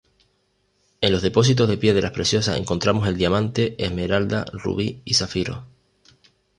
En los depósitos de piedras preciosas encontramos el diamante, esmeralda, rubí y zafiro.